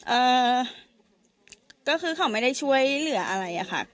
เอ่อก็คือเขาไม่ได้ช่วยเหลืออะไรอะค่ะ